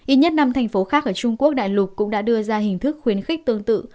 ít nhất năm thành phố khác ở trung quốc đại lục cũng đã đưa ra hình thức khuyến khích tương tự